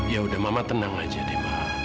ya udah mama tenang aja deh